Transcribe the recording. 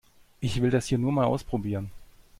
Ich will das hier nur mal ausprobieren.